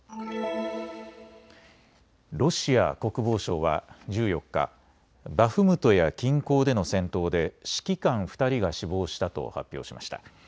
ロシア国防省は１４日、バフムトや近郊での戦闘で指揮官２人が死亡したと発表しました。